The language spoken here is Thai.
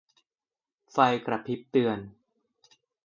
ไฟกระพริบเตือน